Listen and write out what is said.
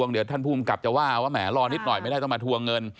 เดี๋ยวท่านภูมิกับจะว่าว่าแหมรอนิดหน่อยไม่ได้ต้องมาทวงเงิน